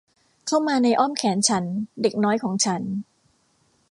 เข้ามาในอ้อมแขนฉัน เด็กน้อยของฉัน